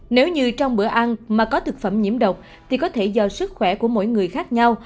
nếu như trong bữa ăn mà có thực phẩm nhiễm độc thì có thể do sức khỏe của mỗi người khác nhau